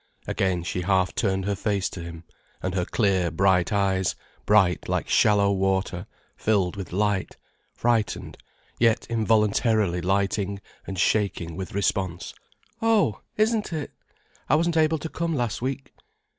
Again she half turned her face to him, and her clear, bright eyes, bright like shallow water, filled with light, frightened, yet involuntarily lighting and shaking with response. "Oh, isn't it! I wasn't able to come last week."